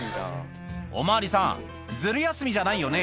お巡りさんズル休みじゃないよね？